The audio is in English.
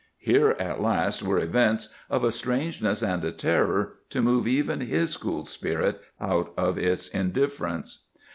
Here, at last, were events of a strangeness and a terror to move even his cool spirit out of its indifference.